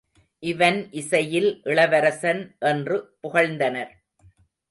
இவன் இசையில் இளவரசன் என்று புகழ்ந்தனர்.